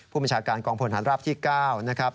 ผู้บัญชาการกองพลฐานราบที่๙นะครับ